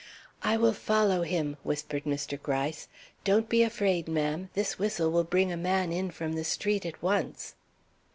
"I will follow him," whispered Mr. Gryce. "Don't be afraid, ma'am. This whistle will bring a man in from the street at once."